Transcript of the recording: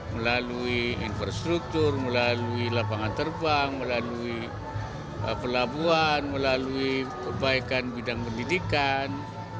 melalui infrastruktur melalui lapangan terbang melalui pelabuhan melalui kebaikan bidang pendidikan